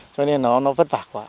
cho nên nó vất vả quá